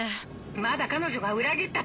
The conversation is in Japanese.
まだ彼女が裏切ったとは。